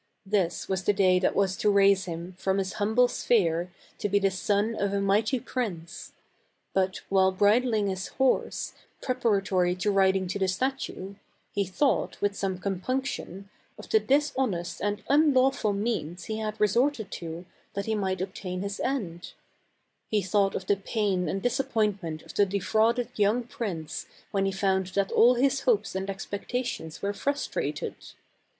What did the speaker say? This was the day that was to raise him from his humble sphere to be the son of a mighty prince ; but, while bridling his horse, preparatory to riding to the statue, he thought, with some compunction, of the dishonest and unlawful means he had re sorted to that he might obtain his end; he 200 THE CAB AVAN. thought of the pain and disappointment of the defrauded young prince when he found that all his hopes and expectations were frustrated.